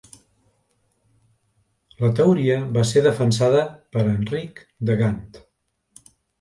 La teoria va ser defensada per Enric de Gant.